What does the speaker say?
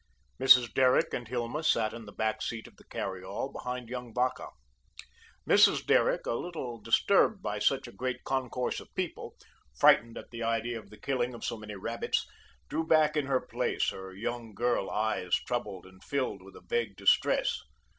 Mrs. Derrick and Hilma sat in the back seat of the carry all, behind young Vacca. Mrs. Derrick, a little disturbed by such a great concourse of people, frightened at the idea of the killing of so many rabbits, drew back in her place, her young girl eyes troubled and filled with a vague distress.